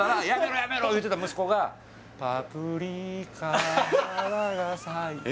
やめろ言うてた息子がパプリカ花が咲いえ